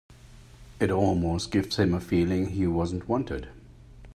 It almost gives him a feeling he wasn't wanted.